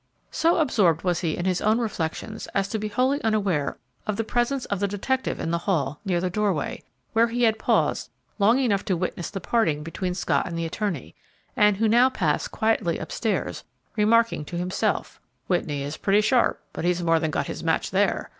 So absorbed was he in his own reflections as to be wholly unaware of the presence of the detective in the hall, near the doorway, where he had paused long enough to witness the parting between Scott and the attorney, and who now passed quietly up stairs, remarking to himself, "Whitney is pretty sharp, but he's more than got his match there.